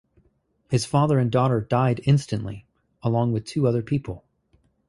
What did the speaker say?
His father and daughter died instantly, along with two other people.